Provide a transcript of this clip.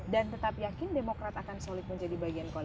dan tetap yakin demokrat akan solid menjadi bagian koalisi